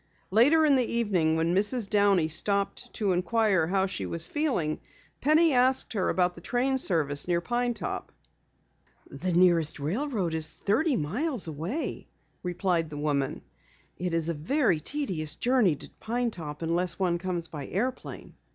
Later in the evening when Mrs. Downey stopped to inquire how she was feeling, Penny asked her about the train service near Pine Top. "The nearest railroad is thirty miles away," replied the woman. "It is a very tedious journey to Pine Top unless one comes by airplane."